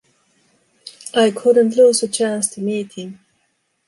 I couldn’t lose a chance to meet him.